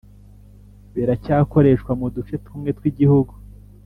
biracyakoreshwa mu duce tumwe tw’igihugu